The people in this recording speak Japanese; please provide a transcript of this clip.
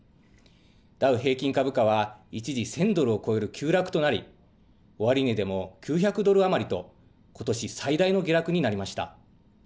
ダウ平均株価は、一時１０００ドルを超える急落となり、終値でも９００ドル余りと、ことし最大の下落になりました。